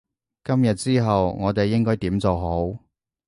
今日之後我哋應該點做好？